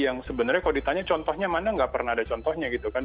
yang sebenarnya kalau ditanya contohnya mana nggak pernah ada contohnya gitu kan